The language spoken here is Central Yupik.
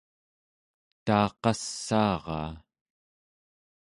taaqassaaraa